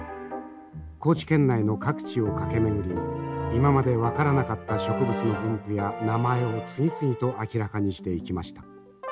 高知県内の各地を駆け巡り今まで分からなかった植物の分布や名前を次々と明らかにしていきました。